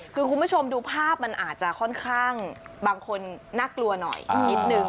คือคุณผู้ชมดูภาพมันอาจจะค่อนข้างบางคนน่ากลัวหน่อยนิดนึง